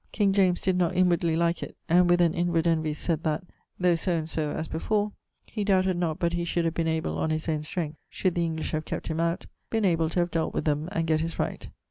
King James did not inwardly like it, and with an inward envy sayd that, though so and so (as before), he doubted not but he should have been able on his owne strength (should the English have kept him out) been able to have dealt with them, and get his right.